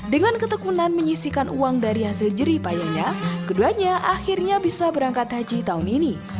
dengan ketekunan menyisikan uang dari hasil jeripayanya keduanya akhirnya bisa berangkat haji tahun ini